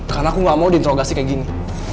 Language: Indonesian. karena aku gak mau diinterogasi kayak gini